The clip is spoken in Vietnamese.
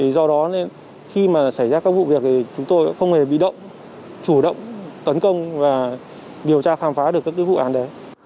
do đó nên khi mà xảy ra các vụ việc thì chúng tôi cũng không hề bị động chủ động tấn công và điều tra khám phá được các vụ án đấy